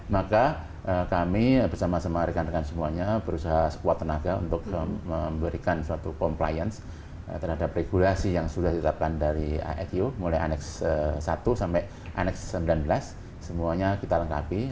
maka kami bersama sama rekan rekan semuanya berusaha sekuat tenaga memberikan suatu compliance terhadap regulasi yang sudah dilipatkan dari asu mulai annex i sampai annex xix semuanya kita lengkapi